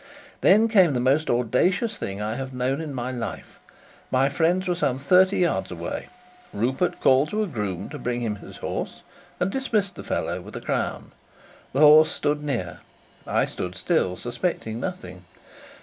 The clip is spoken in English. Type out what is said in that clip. Then came the most audacious thing I have known in my life. My friends were some thirty yards away. Rupert called to a groom to bring him his horse, and dismissed the fellow with a crown. The horse stood near. I stood still, suspecting nothing.